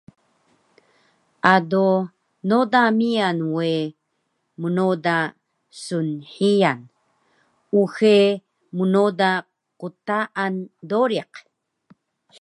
Ado noda miyan we mnoda snhiyan, uxe mnoda qtaan doriq